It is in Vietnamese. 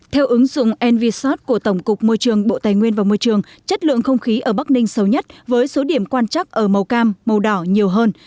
theo ứng dụng nvisot của tổng cục môi trường bộ tài nguyên và môi trường chất lượng không khí ở bắc ninh sâu nhất với số điểm quan trắc ở màu cam màu đỏ nhiều hơn